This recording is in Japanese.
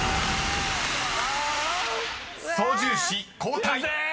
［操縦士交代］